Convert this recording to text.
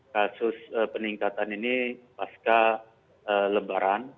kasus peningkatan ini pasca lebaran